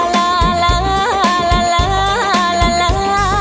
ลาลาลาลาลาลาลา